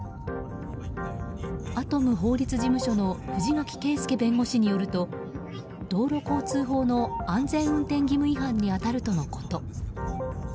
アトム法律事務所の藤垣圭介弁護士によると道路交通法の安全運転義務違反に当たるとのこと。